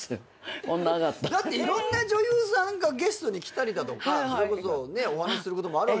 だっていろんな女優さんがゲストに来たりだとかそれこそお話しすることもあるわけじゃないですか。